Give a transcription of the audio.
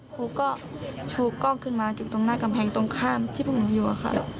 ครูก็ชูกล้องขึ้นมาอยู่ตรงหน้ากำแพงตรงข้ามที่พวกหนูอยู่อะค่ะ